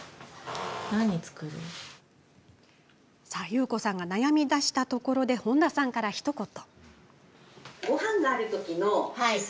ゆうこさんが悩みだしたところで本多さんから、ひと言。